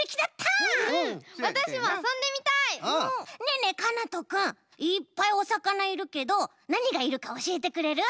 ねえねえかなとくんいっぱいおさかないるけどなにがいるかおしえてくれる？